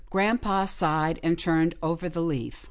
" Grampa sighed and turned over the leaf.